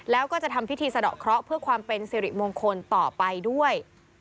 แล้วก็จะทำพิธีสะดอกเคราะห์เพื่อความเป็นสิริมงคลต่อไปด้วย